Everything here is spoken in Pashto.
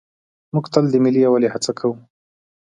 موږ تل د ملي یووالي هڅه کوو.